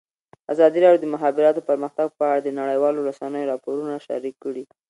ازادي راډیو د د مخابراتو پرمختګ په اړه د نړیوالو رسنیو راپورونه شریک کړي.